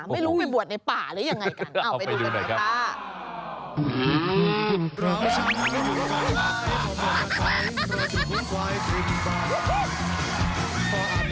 ไม่รู้ไปบวชในป่าหรือยังไงกัน